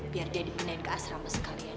biar dia dibinain ke asrama sekalian